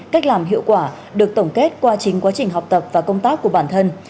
cách làm hiệu quả được tổng kết qua chính quá trình học tập và công tác của bản thân